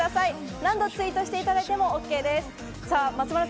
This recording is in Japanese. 何度ツイートしていただいてもＯＫです。